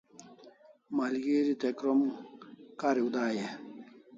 Malgeri te krom kariu dai e?